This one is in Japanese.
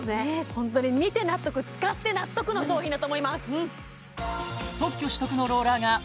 ホントに見て納得使って納得の商品だと思います